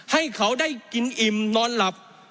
ให้เขาได้กินอิ่มนอนหลับ